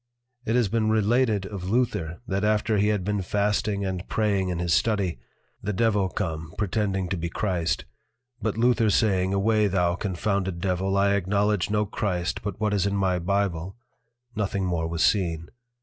It has been related of Luther, that after he had been Fasting and Praying in his Study, the Devil come pretending to be Christ, but Luther saying, away thou confounded Devil, I acknowledge no Christ but what is in my Bible, nothing more was seen.